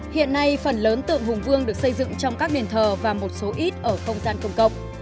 hiện nay phần lớn tượng hùng vương được xây dựng trong các đền thờ và một số ít ở không gian công cộng